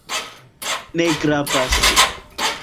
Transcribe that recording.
Ne gravas